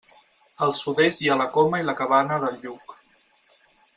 Al sud-est hi ha la Coma i la Cabana del Lluc.